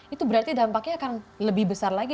itu berarti dampaknya akan lebih besar lagi